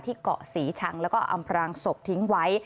เกาะศรีชังแล้วก็อำพรางศพทิ้งไว้